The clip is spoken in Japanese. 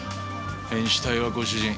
変死体はご主人。